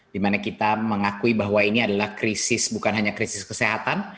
dimana kita mengakui bahwa ini adalah krisis bukan hanya krisis kesehatan